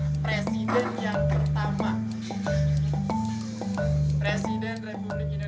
presiden republik indonesia yang pertama